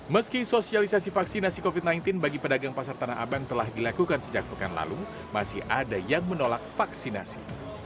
meski sosialisasi vaksinasi covid sembilan belas bagi pedagang pasar tanah abang telah dilakukan sejak pekan lalu masih ada yang menolak vaksinasi